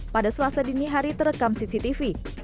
pada selasa dini hari terekam cctv